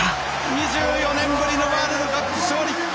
２４年ぶりのワールドカップ勝利！